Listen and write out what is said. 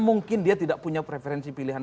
mungkin dia tidak punya preferensi pilihan